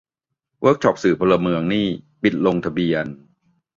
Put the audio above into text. เวิร์กช็อป "สื่อพลเมือง" นี่ ปิดลงทะเบียน